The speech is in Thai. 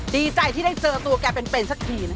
ดีใจที่ได้เจอตัวแกเป็นสักทีนะ